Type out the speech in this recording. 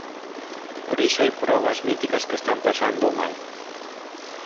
Por iso hai probas míticas que están pasándoo mal.